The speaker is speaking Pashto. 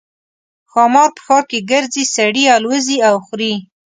ښامار په ښار کې ګرځي سړي الوزوي او خوري.